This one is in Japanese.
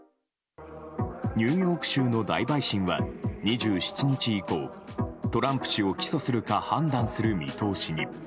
ニューヨーク州の大陪審は２７日以降トランプ氏を起訴するか判断する見通しに。